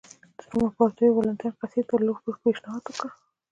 د روم امپراتور والنټیناین قیصر ته لور پېشنهاد کړه.